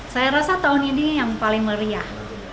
saya rasa tahun ini yang paling meriah